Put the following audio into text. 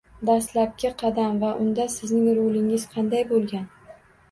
Dastlabki qadam va unda sizning rolingiz qanday boʻlgan?